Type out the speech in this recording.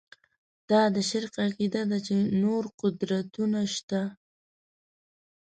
دا د شرک عقیده ده چې نور قدرتونه شته.